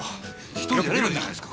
１人でやればいいじゃないですか。